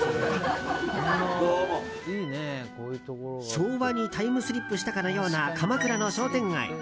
昭和にタイムスリップしたかのような鎌倉の商店街。